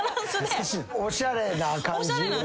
おしゃれな感じ？